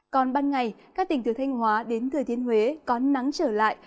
còn ban ngày các tỉnh từ thanh hóa đến thừa thiên huế có nắng trở lại